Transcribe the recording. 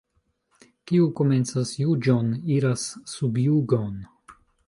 Kiu komencas juĝon, iras sub jugon.